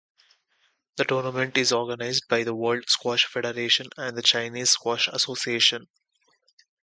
The tournament is organized by the World Squash Federation and the Chinese Squash Association.